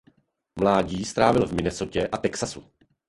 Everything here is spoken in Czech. Mládí strávil v Minnesotě a Texasu.